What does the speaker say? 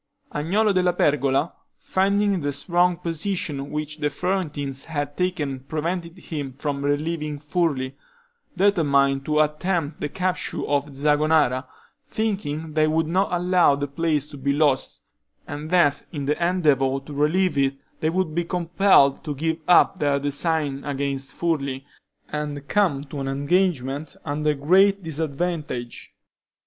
Agnolo della Pergola, finding the strong position which the Florentines had taken prevented him from relieving Furli, determined to attempt the capture of Zagonara, thinking they would not allow that place to be lost, and that in the endeavor to relieve it they would be compelled to give up their design against Furli, and come to an engagement under great disadvantage.